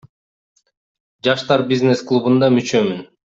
Жаштар бизнес клубунда мүчөмүн.